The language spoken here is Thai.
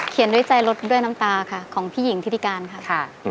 เขียนด้วยใจรสด้วยน้ำตาของพี่หญิงทิศิการค่ะ